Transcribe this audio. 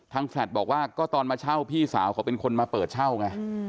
แฟลตบอกว่าก็ตอนมาเช่าพี่สาวเขาเป็นคนมาเปิดเช่าไง